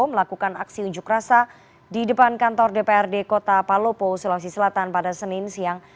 melakukan aksi unjuk rasa di depan kantor dprd kota palopo sulawesi selatan pada senin siang